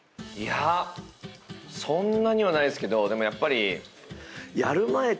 いやそんなにはないですけどでもやっぱり。